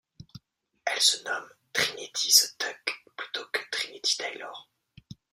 Elle se nomme Trinity The Tuck plutôt que Trinity Taylor.